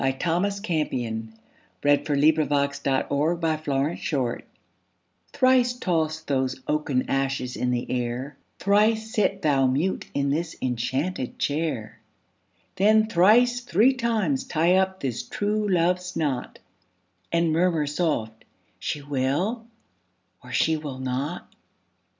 Thomas Campion Thrice Toss Those Oaken Ashes in the Air THRICE toss those oaken ashes in the air; Thrice sit thou mute in this enchanted chair; Then thrice three times tie up this true love's knot, And murmur soft: "She will, or she will not."